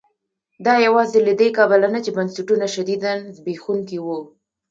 دا یوازې له دې کبله نه چې بنسټونه شدیداً زبېښونکي وو.